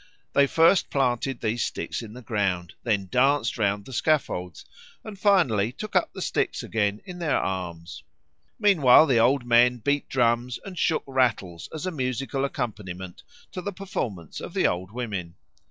They first planted these sticks in the ground, then danced round the scaffolds, and finally took up the sticks again in their arms. Meanwhile old men beat drums and shook rattles as a musical accompaniment to the performance of the old women.